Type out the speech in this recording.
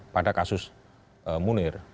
pada kasus munir